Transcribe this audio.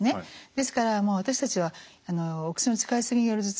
ですからもう私たちはお薬の使いすぎによる頭痛の患者さん